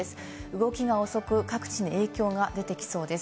動きが遅く、各地の影響が出てきそうです。